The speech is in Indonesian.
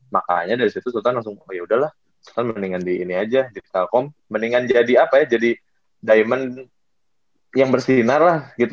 makanya dari situ sultan langsung yaudah lah sultan mendingan di ini aja di telkom mendingan jadi apa ya jadi diamond yang bersinar lah gitu